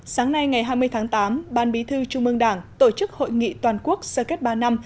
sáng nay ngày hai mươi tháng tám ban bí thư trung mương đảng tổ chức hội nghị toàn quốc sơ kết ba năm